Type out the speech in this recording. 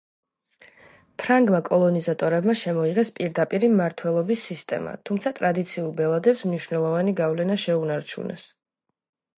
ფრანგმა კოლონიზატორებმა შემოიღეს პირდაპირი მმართველობის სისტემა, თუმცა ტრადიციულ ბელადებს მნიშვნელოვანი გავლენა შეუნარჩუნეს.